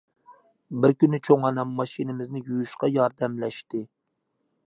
بىر كۈنى چوڭ ئانام ماشىنىمىزنى يۇيۇشقا ياردەملەشتى.